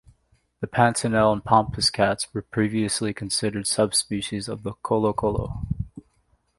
The Pantanal and Pampas cats were previously considered subspecies of the colocolo.